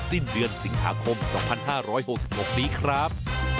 สิ้นเดือนสิงหาคม๒๕๖๖นี้ครับ